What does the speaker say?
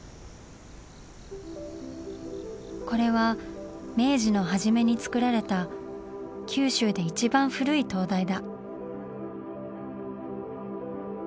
これは明治の初めに造られた九州で一番古い灯台だ。